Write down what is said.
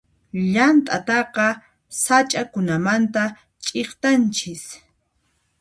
Llant'ataqa sach'akunamanta ch'iktanchis.